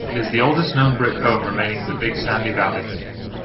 It is the oldest known brick home remaining in the Big Sandy Valley.